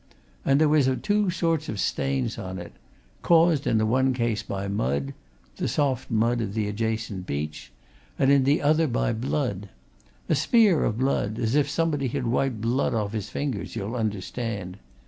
And there was two sorts o' stains on it caused in the one case by mud the soft mud of the adjacent beach and in the other by blood. A smear of blood as if somebody had wiped blood off his fingers, you'll understand.